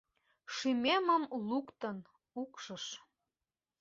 Шӱмемым луктын, укшыш